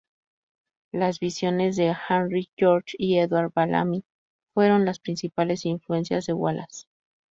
Las visiones de Henry George y Edward Bellamy fueron las principales influencias de Wallace.